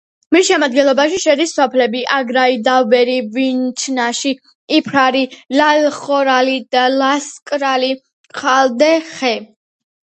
მის შემადგენლობაში შედის სოფლები: აგრაი, დავბერი, ვიჩნაში, იფრარი, ლალხორალი, ლასკრალი, ხალდე, ხე.